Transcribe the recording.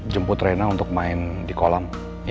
jemput rena untuk main di kolam